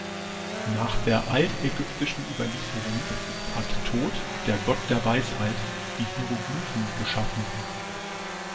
Nach der altägyptischen Überlieferung hat Thot, der Gott der Weisheit, die Hieroglyphen geschaffen.